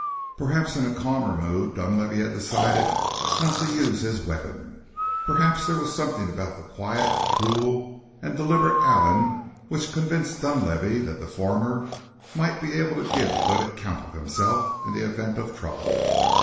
Perhaps in a calmer mood Dunlavey had decided not to use his weapon; perhaps there was something about the quiet, cool, and deliberate Allen which convinced Dunlavey that the former might be able to give a good account of himself in the event of trouble.